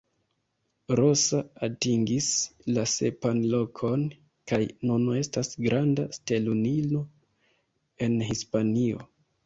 Rosa atingis la sepan lokon kaj nun estas granda stelulino en Hispanio.